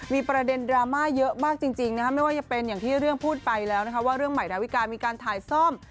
มีประเด็นดราม่าเยอะมากจริงนะคะไม่ว่าจะเป็นอย่างที่เรื่องพูดไปแล้วนะคะว่าเรื่องใหม่ดาวิกามีการถ่ายซ่อม